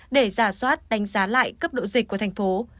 để giả soát đánh giá lại cấp độ dịch của thành phố